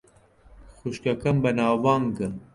خوشکەکەم بەناوبانگە.